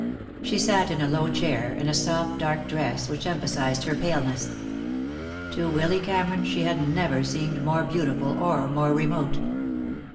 She sat in a low chair, in a soft dark dress which emphasized her paleness. To Willy Cameron she had never seemed more beautiful, or more remote.